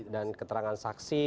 dan keterangan saksi